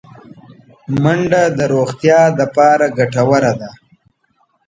ځغاسته د روغتیا لپاره ګټوره ده